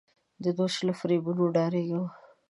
د دوست له فریبونو ډارېږم.